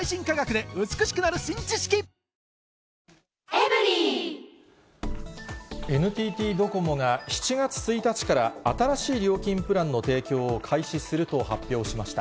「エアジェット除菌ＥＸ」ＮＴＴドコモが７月１日から新しい料金プランの提供を開始すると発表しました。